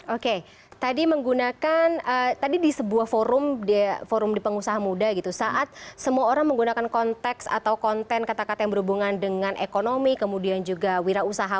oke tadi menggunakan tadi di sebuah forum di pengusaha muda gitu saat semua orang menggunakan konteks atau konten kata kata yang berhubungan dengan ekonomi kemudian juga wira usaha